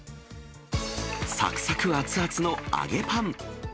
さくさく熱々の揚げパン。